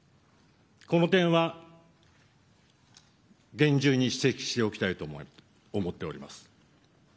この点は厳重に指摘しておきたいと思っております。